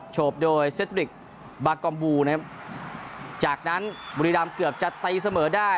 โฉบโดยเซตริกบากอมบูนะครับจากนั้นบุรีรำเกือบจะตีเสมอได้